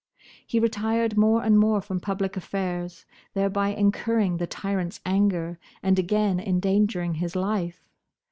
He retired more and more from public affairs, thereby incurring the tyrant's anger and again endangering his life.